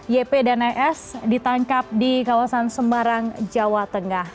yp dan es ditangkap di kawasan semarang jawa tengah